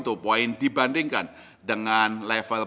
yang berbeda dengan nilai tukar rupiah di pasar valuta asing